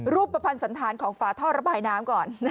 รูปประพันธ์สันธารของฝาท่อระบายน้ำก่อน